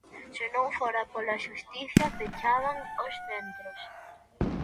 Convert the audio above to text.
Se non fora pola xustiza, pechaban os centros.